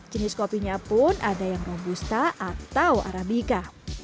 jenis kopinya pun ada yang robusta atau arabica